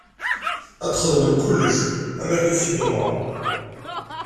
Ad xedmen kullec am wakken i k-t-id-umṛeɣ.